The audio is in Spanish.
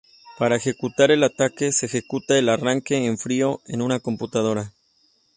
Para ejecutar el ataque, se ejecuta el arranque en frío en una computadora.